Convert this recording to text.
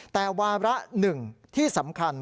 แต่วาระหนึ่งที่สำคัญ